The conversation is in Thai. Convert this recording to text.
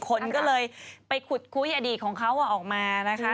คนก็เลยไปขุดคุยอดีตของเขาออกมานะคะ